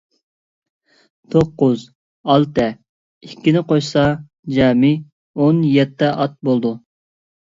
توققۇز، ئالتە، ئىككىنى قوشسا جەمئىي ئون يەتتە ئات بولىدۇ.